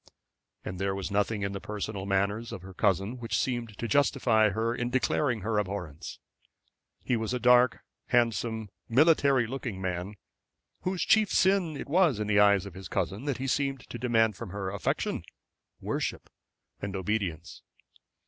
And there was nothing in the personal manners of her cousin which seemed to justify her in declaring her abhorrence. He was a dark, handsome, military looking man, whose chief sin it was in the eyes of his cousin that he seemed to demand from her affection, worship, and obedience.